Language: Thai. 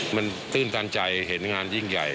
มันตื้นตันใจเห็นงานยิ่งใหญ่